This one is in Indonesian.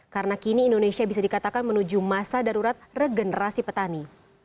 karena kini indonesia bisa dikatakan menuju masa darurat regenerasi petani